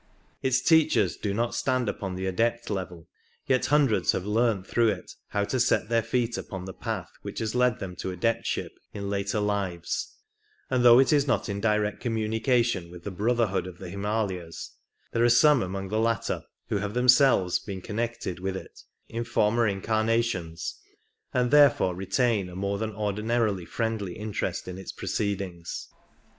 Its teachers do not stand upon the Adept level, yet hundreds have learnt through it how to set their feet upon the Path which has led them to Adeptship in later lives; and though it is not in direct communication with the Brotherhood of the Himalayas, there are some among the latter who have themselves been connected with it in former incarnations, and therefore retain a more than ordinarily friendly interest in its proceedings.